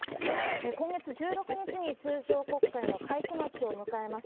今月１６日に通常国会の会期末を迎えます。